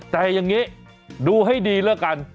แต่อย่างนี้ดูให้ดีแล้วกัน